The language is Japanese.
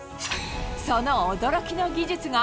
その驚きの技術が。